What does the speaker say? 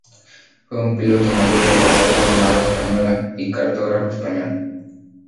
Fue un piloto mayor de la Real Armada Española y cartógrafo español.